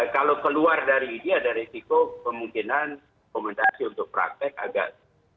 kalau keluar dari ini ada resiko kemungkinan rekomendasi untuk praktek agak